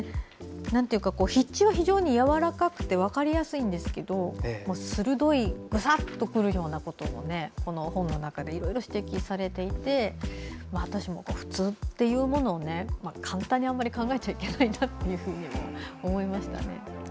筆致は非常にやわらかくて分かりやすいんですけど鋭い、グサッとくるようなことをこの本の中でいろいろ指摘されていて私も普通というものを簡単に考えちゃいけないんだなと思いましたね。